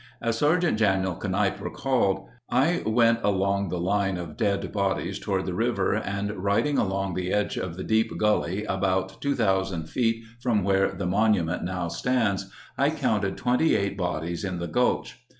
As Sgt. Daniel Kanipe recalled: "I next went along the line of dead bodies toward the river, and riding along the edge of the deep gully about 2,000 feet from where the monu ment now stands, I counted 28 bodies in the gulch."